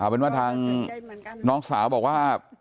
เป็นว่าทางน้องสาวบอกว่า